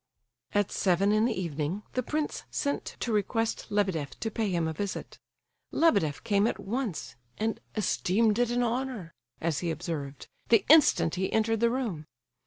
At seven in the evening, the prince sent to request Lebedeff to pay him a visit. Lebedeff came at once, and "esteemed it an honour," as he observed, the instant he entered the room.